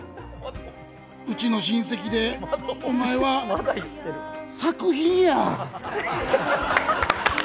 うちの親戚でお前は作品や。